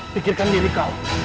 pikirkan diri kau